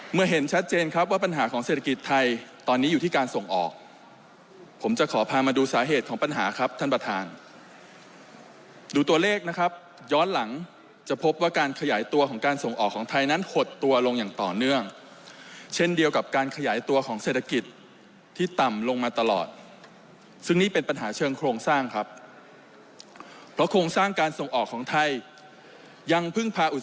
เห็นชัดเจนครับว่าปัญหาของเศรษฐกิจไทยตอนนี้อยู่ที่การส่งออกผมจะขอพามาดูสาเหตุของปัญหาครับท่านประธานดูตัวเลขนะครับย้อนหลังจะพบว่าการขยายตัวของการส่งออกของไทยนั้นหดตัวลงอย่างต่อเนื่องเช่นเดียวกับการขยายตัวของเศรษฐกิจที่ต่ำลงมาตลอดซึ่งนี่เป็นปัญหาเชิงโครงสร้างครับเพราะโครงสร้างการส่งออกของไทยยังเพิ่งพาอุ